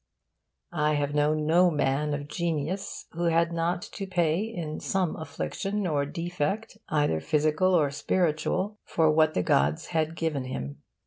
I have known no man of genius who had not to pay, in some affliction or defect either physical or spiritual, for what the gods had given him.